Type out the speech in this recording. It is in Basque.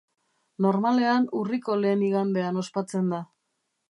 Normalean urriko lehen igandean ospatzen da.